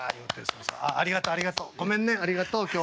ごめんねありがとう今日は本当に。